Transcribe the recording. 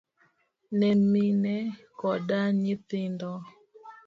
ne mine koda nyithindo.